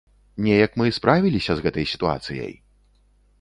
Неяк мы справіліся з гэтай сітуацыяй!